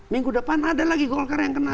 minggu depan ada lagi golkar yang kena